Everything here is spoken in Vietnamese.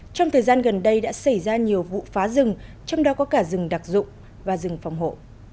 trong thời gian gần đây đã xảy ra nhiều vụ phá rừng trong đó có cả rừng đặc dụng và rừng phòng hộ